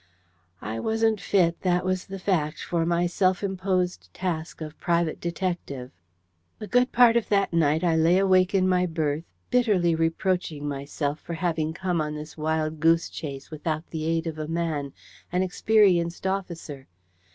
I wasn't fit, that was the fact, for my self imposed task of private detective. A good part of that night I lay awake in my berth, bitterly reproaching myself for having come on this wild goose chase without the aid of a man an experienced officer.